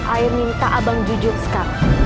air minta abang jujur sekarang